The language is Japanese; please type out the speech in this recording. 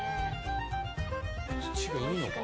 土がいいのか？